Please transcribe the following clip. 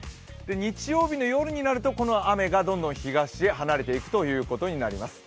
日曜日の夜になると、この雨がだんだん東へ離れていくということになります。